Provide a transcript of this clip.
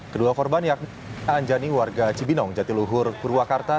kedua korban yakni anjani warga cibinong jatiluhur purwakarta